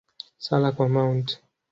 Sala kwa Mt.